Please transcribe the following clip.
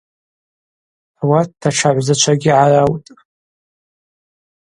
Ауат датша гӏвзачвагьи гӏараутӏ.